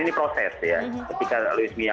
ini proses ya ketika louis mia